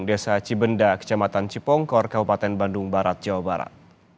desa cibenda kecamatan cipongkor kabupaten bandung barat jawa barat